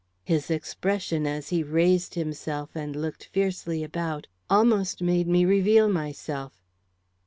His expression as he raised himself and looked fiercely about almost made me reveal myself.